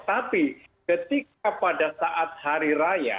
tapi ketika pada saat hari raya